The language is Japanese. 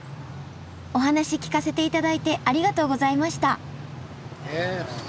お話聞かせていただいてありがとうございました。